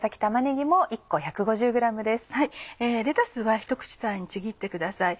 レタスはひと口大にちぎってください。